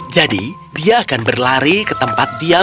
jadi dia akan berlari ke tempat tiap hari